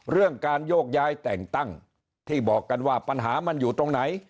เรื่องการโยกย้ายแต่งตั้งที่บอกกันว่าปัญหามันอยู่ตรงไหน